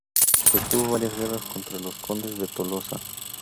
Sostuvo varias guerras contra los condes de Tolosa.